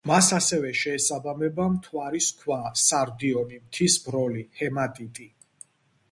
მას ასევე შეესაბამება: მთვარის ქვა, სარდიონი, მთის ბროლი, ჰემატიტი.